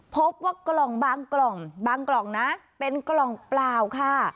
พบว่ากล่องบางกล่องบางกล่องนะเป็นกล่องเปล่าค่ะ